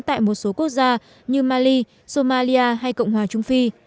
tại một số quốc gia như mali somali hay cộng hòa trung phi